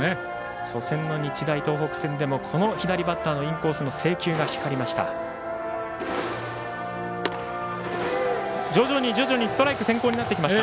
初戦の日大東北戦でもこの左バッターのインコースの制球が光りました。